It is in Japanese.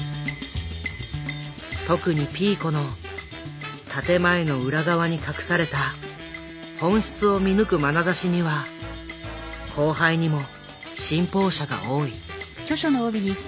特にピーコの建て前の裏側に隠された本質を見抜くまなざしには後輩にも信奉者が多い。